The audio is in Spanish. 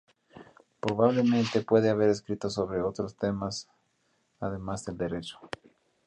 Probablemente puede haber escrito sobre otros temas además del derecho.